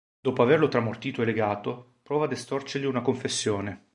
Dopo averlo tramortito e legato, prova ad estorcergli una confessione.